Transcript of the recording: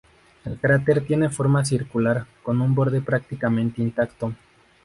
El cráter tiene forma circular, con un borde prácticamente intacto.